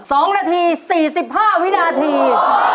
สองนาทีสี่สิบห้าวินาที